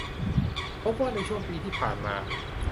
พบว่าในช่วงปีที่ผ่านมา